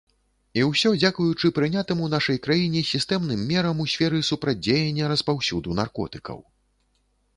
І ўсё дзякуючы прынятым у нашай краіне сістэмным мерам у сферы супрацьдзеяння распаўсюду наркотыкаў.